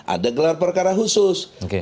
ada gelar perkara khusus